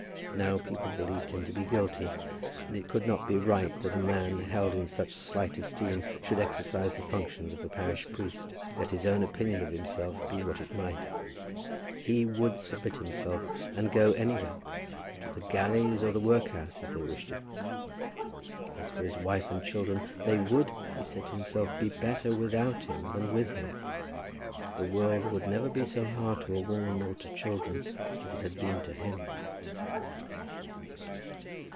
Now, people believed him to be guilty, and it could not be right that a man held in such slight esteem should exercise the functions of a parish priest, let his own opinion of himself be what it might. He would submit himself, and go anywhere, to the galleys or the workhouse, if they wished it. As for his wife and children, they would, he said to himself, be better without him than with him. The world would never be so hard to a woman or to children as it had been to him.